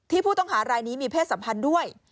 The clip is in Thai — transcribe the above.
ผู้ต้องหารายนี้มีเพศสัมพันธ์ด้วย